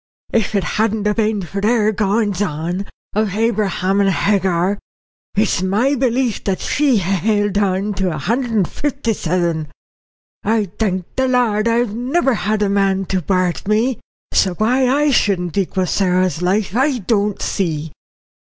If it hadn't been for their goings on, of Abraham and Hagar, it's my belief that she'd ha' held on to a hundred and fifty seven. I thank the Lord I've never had no man to worrit me. So why I shouldn't equal Sarah's life I don't see."